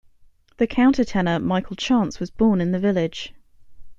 The countertenor Michael Chance was born in the village.